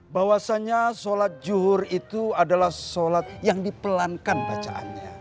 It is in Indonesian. bahwasannya sholat juhur itu adalah sholat yang dipelankan bacaannya